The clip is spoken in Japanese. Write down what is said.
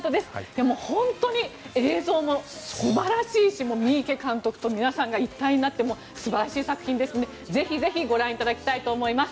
でも本当に映像も素晴らしいし三池監督と皆さんが一体になって素晴らしい作品ですのでぜひぜひご覧いただきたいと思います。